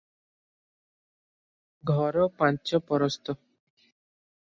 ଘର ପାଞ୍ଚ ପରସ୍ତ ।